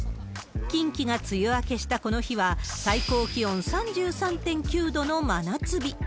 近畿が梅雨明けしたこの日は、最高気温３３．９度の真夏日。